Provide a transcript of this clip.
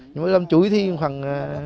nhưng mà làm chuối thì khoảng